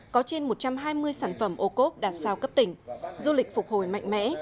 có trên một trăm hai mươi sản phẩm ô cốp đạt sao cấp tỉnh du lịch phục hồi mạnh mẽ